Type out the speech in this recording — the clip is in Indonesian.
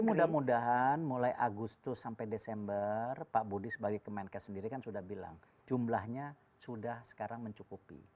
mudah mudahan mulai agustus sampai desember pak budi sebagai kemenkes sendiri kan sudah bilang jumlahnya sudah sekarang mencukupi